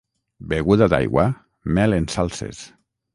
Beguda d'aigua, mel en salses.